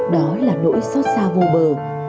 đó là nỗi xót xa vô bờ